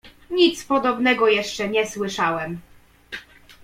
"Nic podobnego jeszcze nie słyszałem."